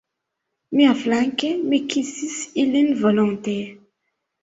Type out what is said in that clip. Miaflanke, mi kisis ilin volonte.